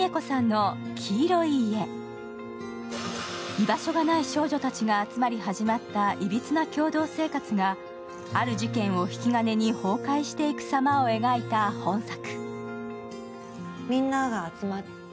居場所がない少女たちが集まり始まったいびつな共同生活が、ある事件を引き金に崩壊していくさまを描いた本作。